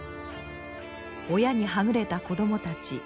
親にはぐれた子供たち